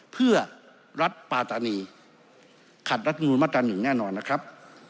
เพื่อรัฐปาตินะครับการขัดรัฐเงินมาตรากันอยู่แน่นอนนะครับ